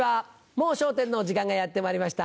『もう笑点』の時間がやってまいりました。